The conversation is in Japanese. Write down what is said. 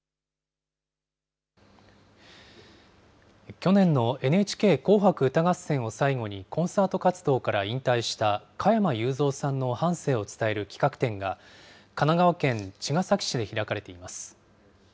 去年のＮＨＫ紅白歌合戦を最後に、コンサート活動から引退した加山雄三さんの半生を伝える企画展が、神奈川県茅ヶ崎市で開かれています。